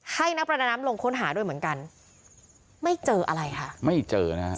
ให้นักประดาน้ำลงค้นหาด้วยเหมือนกันไม่เจออะไรค่ะไม่เจอนะฮะ